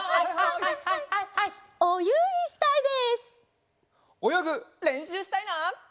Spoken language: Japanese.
およぐれんしゅうしたいな！